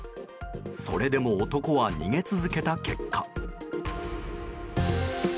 それでも男は逃げ続けた結果。